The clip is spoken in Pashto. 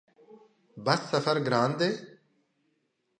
بس سفر ګران دی؟